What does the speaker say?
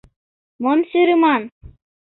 Мом сӧрыман?